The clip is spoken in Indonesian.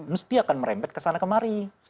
mesti akan merempet kesana kemari